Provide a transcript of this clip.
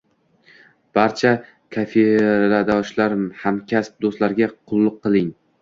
Barcha kafedradoshlar, hamkasb do‘stlarga qulluq qiling.